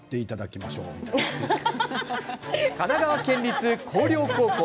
神奈川県立光陵高校。